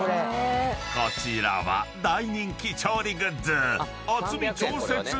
［こちらは大人気調理グッズ］